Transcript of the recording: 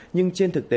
nhưng trên thực tế